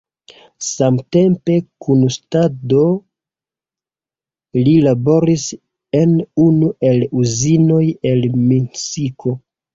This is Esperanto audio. Samtempe kun studado, li laboris en unu el uzinoj en Minsko.